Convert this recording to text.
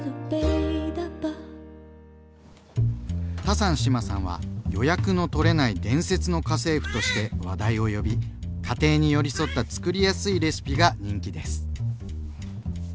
タサン志麻さんは「予約の取れない伝説の家政婦」として話題を呼び家庭に寄り添ったつくりやすいレシピが人気です。